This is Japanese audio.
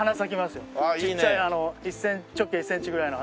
ちっちゃい直径１センチぐらいの。